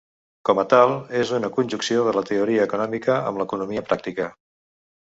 Com a tal, és una conjunció de la teoria econòmica amb l'economia pràctica.